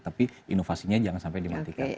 tapi inovasinya jangan sampai dimatikan